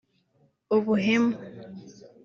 ubuhemu